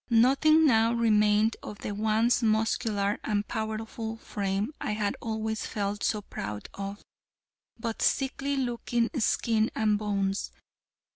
Nothing now remained of the once muscular and powerful frame I had always felt so proud of, but sickly looking skin and bones.